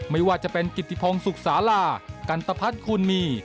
ไม่ว่าจะเป็นกิติพงศุกสาลากันตะพัฒน์คูณมี